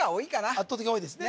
圧倒的に多いですね